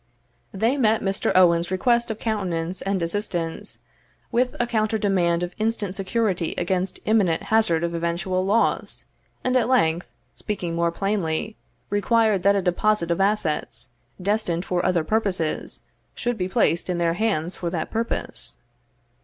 They met Mr. Owen's request of countenance and assistance with a counter demand of instant security against imminent hazard of eventual loss; and at length, speaking more plainly, required that a deposit of assets, destined for other purposes, should be placed in their hands for that purpose.